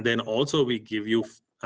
dan juga setelah itu